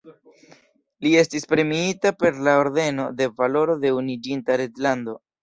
Li estis premiita per la Ordeno de Valoro de Unuiĝinta Reĝlando.